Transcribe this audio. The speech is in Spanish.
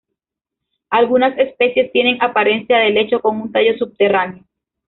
Algunas especies tienen apariencia de helecho con un tallo subterráneo.